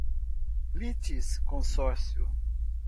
litisconsórcio